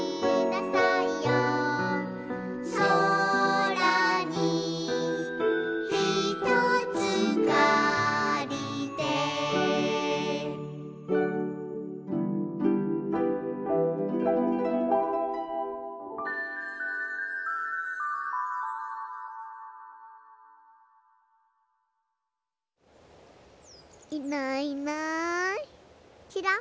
「そらにひとつかりて」いないいないちらっ。